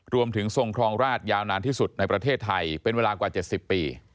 ทรงครองราชยาวนานที่สุดในประเทศไทยเป็นเวลากว่า๗๐ปี